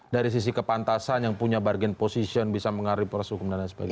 dari sisi kepantasan yang punya bargain position bisa mengaripkan suku dan lain sebagainya